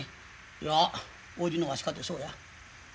いや叔父のわしかてそうや。